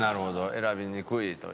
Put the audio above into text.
選びにくいという。